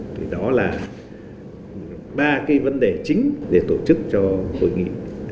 thì đó là ba cái vấn đề chính để tổ chức cho hội nghị